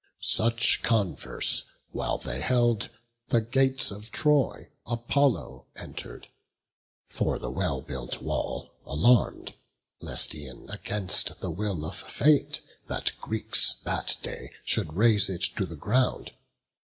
Such converse while they held, the gates of Troy Apollo enter'd, for the well built wall Alarm'd, lest e'en against the will of fate The Greeks that day should raze it to the ground.